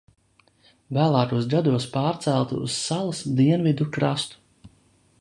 Vēlākos gados pārcelta uz salas dienvidu krastu.